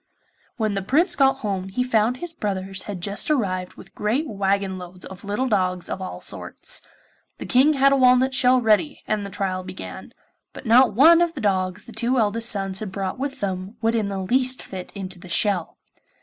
When the Prince got home he found his brothers had just arrived with great waggon loads of little dogs of all sorts. The King had a walnut shell ready, and the trial began; but not one of the dogs the two eldest sons had brought with them would in the least fit into the shell.